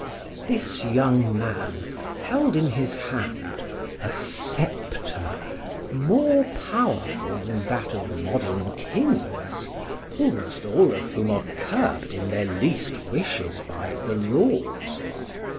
This young man held in his hand a sceptre more powerful than that of modern kings, almost all of whom are curbed in their least wishes by the laws.